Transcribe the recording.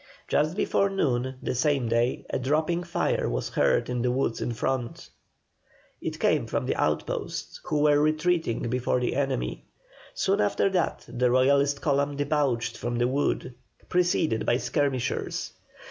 Just before noon the same day a dropping fire was heard in the woods in front. It came from the outpost, who were retreating before the enemy. Soon after that the Royalist column debouched from the wood, preceded by skirmishers.